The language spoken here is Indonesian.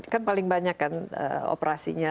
kan paling banyak kan operasinya